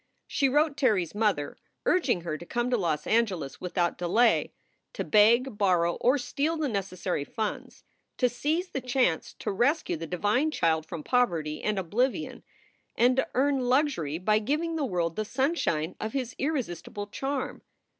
She wrote Terry s mother, urging her to come to Los Angeles without delay ; to beg, borrow, or steal the necessary funds; to seize the chance to rescue the divine child from poverty and oblivion, and to earn luxury by giving the world the sunshine of his irresistible charm.